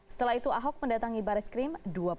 setelah itu ahok mendatangkan